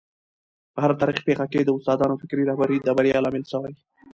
په هره تاریخي پېښه کي د استادانو فکري رهبري د بریا لامل سوی.